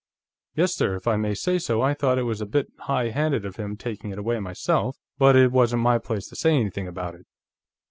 "Yes, sir. If I may say so, I thought it was a bit high handed of him, taking it away, myself, but it wasn't my place to say anything about it."